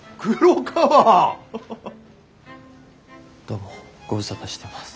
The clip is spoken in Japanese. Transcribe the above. どうもご無沙汰してます。